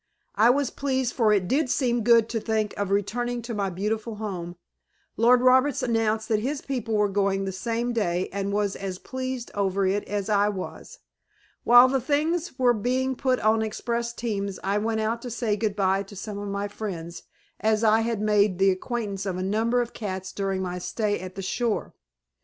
I was pleased for it did seem good to think of returning to my beautiful home. Lord Roberts announced that his people were going the same day, and was as pleased over it as I was. While the things were being put on express teams I went out to say good by to some of my friends, as I had made the acquaintance of a number of cats during my stay at the shore.